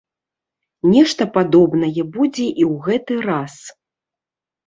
Нешта падобнае будзе і ў гэты раз.